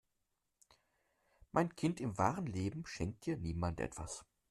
Mein Kind, im wahren Leben schenkt dir niemand etwas.